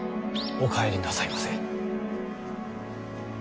お帰りなさいませ。